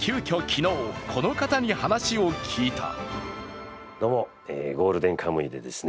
昨日、この方に話を聞いた。